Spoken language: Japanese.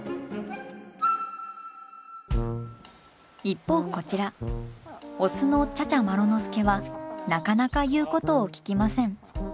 一方こちらオスの茶々麻呂之介はなかなか言うことをききません。